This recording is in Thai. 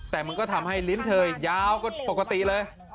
แต่มันก็ทำให้ลิ้นเธอยาวกว่าปกติเลย